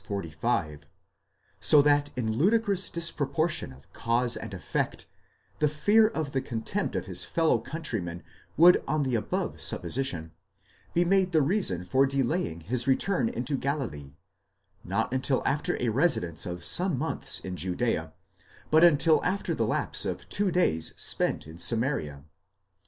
45), so that in ludicrous disproportion of cause and effect, the fear of the contempt of his fellow country men would on the above supposition, be made the reason for delaying his return into Galilee, not until after a residence of some months in Judea, but until after the lapse of two days spent in Samaria.